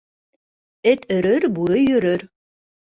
Эт өрөр, бүре йөрөр.